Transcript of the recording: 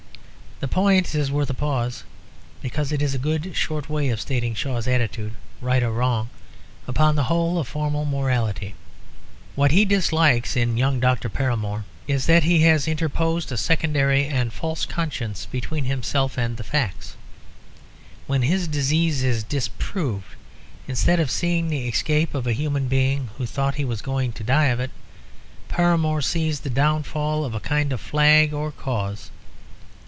The point is worth a pause, because it is a good, short way of stating Shaw's attitude, right or wrong, upon the whole of formal morality. What he dislikes in young Doctor Paramore is that he has interposed a secondary and false conscience between himself and the facts. When his disease is disproved, instead of seeing the escape of a human being who thought he was going to die of it, Paramore sees the downfall of a kind of flag or cause.